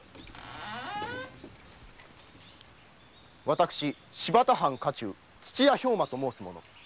私新発田藩家中土屋兵馬と申す者。